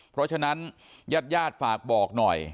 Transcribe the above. เพราะฉะนั้นยาดฝากบอกหน่อย